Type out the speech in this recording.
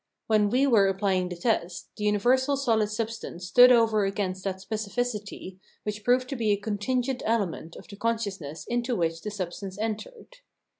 When we were applying the test, the universal solid substance stood over against that specificity, which proved to be a contingent element of the consciousness into which the substance entered.